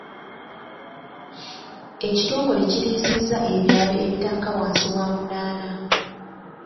Ekitongole kiriisizza ebyalo ebitakka wansi wa munaana.